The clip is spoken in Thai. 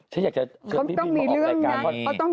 เขาต้องมีเรื่องรอบนะ